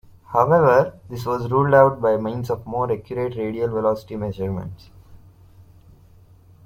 However, this was ruled out by means of more accurate radial velocity measurements.